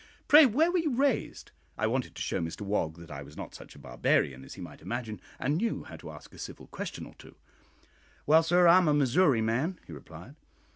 "Pray, where were you raised?" I wanted to show Mr Wog that I was not such a barbarian as he might imagine, and knew how to ask a civil question or two. "Well, sir, I'm a Missouri man," he replied.